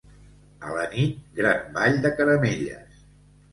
A la nit Gran ball de Caramelles.